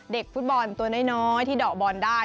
ฟุตบอลตัวน้อยที่เดาะบอลได้